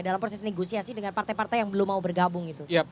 dalam proses negosiasi dengan partai partai yang belum mau bergabung gitu